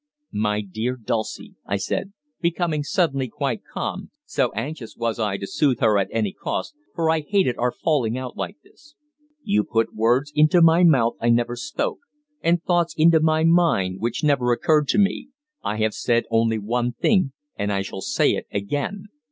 "My dear Dulcie," I said, becoming suddenly quite calm, so anxious was I to soothe her at any cost, for I hated our falling out like this, "you put words into my mouth I never spoke, and thoughts into my mind which never occurred to me. I have said only one thing, and I shall say it again.